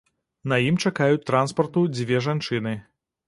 На ім чакаюць транспарту дзве жанчыны.